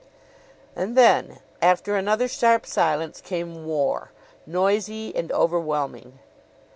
And then, after another sharp silence, came war, noisy and overwhelming.